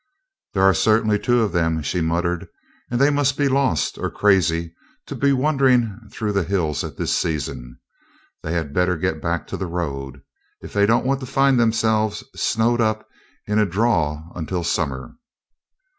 "There are certainly two of them," she murmured, "and they must be lost or crazy to be wandering through the hills at this season. They had better get back to the road, if they don't want to find themselves snowed up in a draw until summer."